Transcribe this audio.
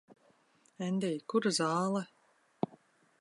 Endij, kur zāle?